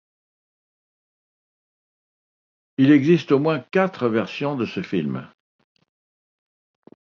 Il existe au moins quatre versions de ce film.